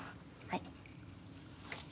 はい。